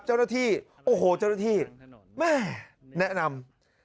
เจ้าหน้าที่โอ้โหเจ้าหน้าที่แม่แนะนำ